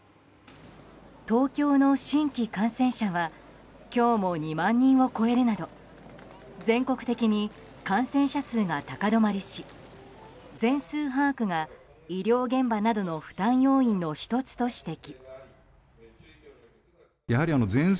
東京の新規感染者は今日も２万人を超えるなど全国的に感染者数が高止まりし全数把握が医療現場などの負担要因の１つと指摘。